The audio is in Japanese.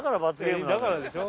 からでしょ？